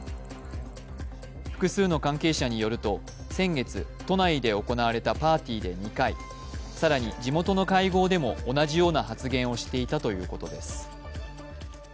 複数の関係者によると先月都内で行われたパーティーで２回更に地元の会合でも同じような発言をしていたということです。